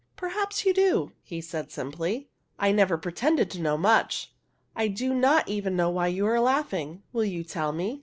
" Perhaps you do," he said simply. '' I never pretended to know much. I do not even know why you are laughing. Will you tell me?"